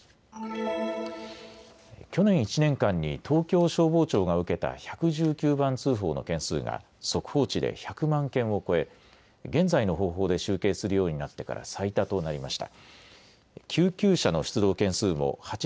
去年１年間に東京消防庁が受けた１１９番通報の件数が速報値で１００万件を超え現在の方法で集計するようになってから最多となりました。